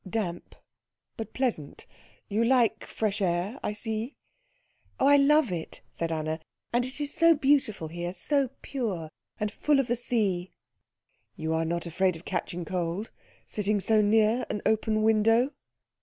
"Damp, but pleasant. You like fresh air, I see." "Oh, I love it," said Anna; "and it is so beautiful here so pure, and full of the sea." "You are not afraid of catching cold, sitting so near an open window?"